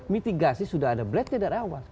mitigasi sudah ada blacknya dari awal